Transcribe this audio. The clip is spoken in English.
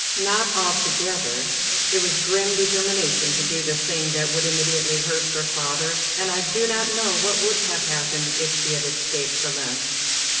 "Not altogether. It was grim determination to do the thing that would immediately hurt her father, and I do not know what would have happened if she had escaped from us.